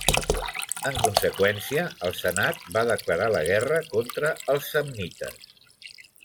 En conseqüència el senat va declarar la guerra contra els samnites.